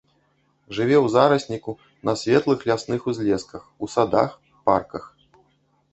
Жыве ў зарасніку, на светлых лясных узлесках, у садах, парках.